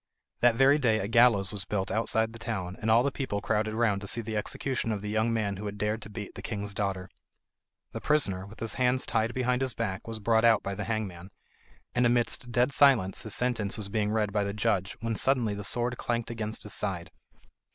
That very day a gallows was built outside the town, and all the people crowded round to see the execution of the young man who had dared to beat the king's daughter. The prisoner, with his hands tied behind his back, was brought out by the hangman, and amidst dead silence his sentence was being read by the judge when suddenly the sword clanked against his side.